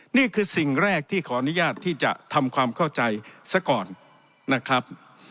นี่คือสิ่งแรกที่ขออนุญาตที่จะทำความเข้าใจซะก่อนนะครับ